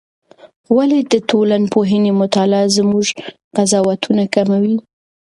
ولې د ټولنپوهنې مطالعه زموږ قضاوتونه کموي؟